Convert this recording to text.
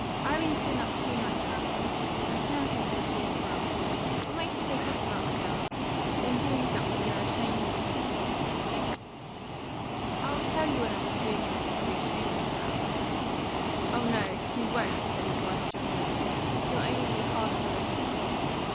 "Irene's been up two nights hand running, and Penelope says she ain't well. What makes you so cross about the girls? Been doing something you're ashamed of?" "I'll tell you when I've been doing anything to be ashamed of," growled Lapham. "Oh no, you won't!" said his wife jollily. "You'll only be hard on the rest of us.